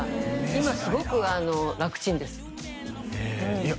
今すごく楽ちんですへえいや